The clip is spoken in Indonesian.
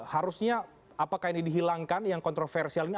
harusnya apakah ini dihilangkan yang kontroversial ini